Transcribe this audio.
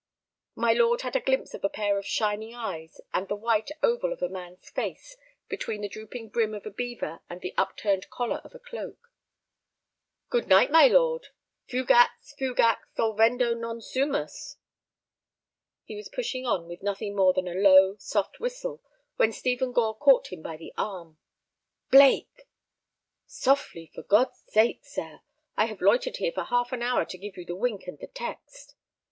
My lord had a glimpse of a pair of shining eyes and the white oval of a man's face between the drooping brim of a beaver and the upturned collar of a cloak. "Good night, my lord—fugax, fugax, solvendo non sumus." He was pushing on with nothing more than a low, soft whistle when Stephen Gore caught him by the arm. "Blake!" "Softly, for God's sake, sir; I have loitered here for half an hour to give you the wink and the text."